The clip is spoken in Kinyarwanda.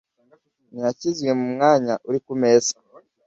ntiyashyizwe mu mwanya uri kumeza